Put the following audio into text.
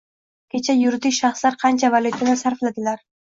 Kecha yuridik shaxslar qancha valyutani sarfladilar?